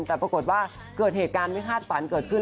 แต่ปรากฏว่าเกิดเหตุการณ์ไม่คาดฝันเกิดขึ้น